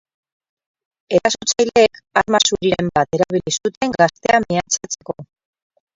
Erasotzaileek arma zuriren bat erabili zuten gaztea mehatxatzeko.